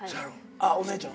あっお姉ちゃん。